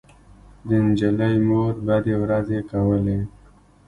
د نجلۍ مور بدې ورځې کولې